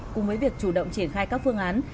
cùng với việc chủ động triển khai các phương án